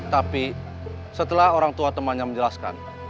tapi setelah orang tua temannya menjelaskan